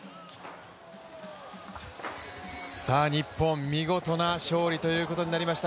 日本、見事な勝利ということになりました。